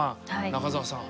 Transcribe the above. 中澤さん